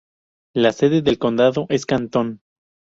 La sede de condado es Canton.